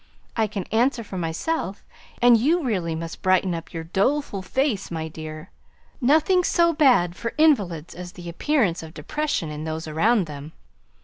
I can answer for myself; and you really must brighten up your doleful face, my dear nothing so bad for invalids as the appearance of depression in those around them.